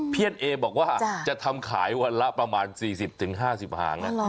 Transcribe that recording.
ี้ยนเอบอกว่าจะทำขายวันละประมาณ๔๐๕๐หาง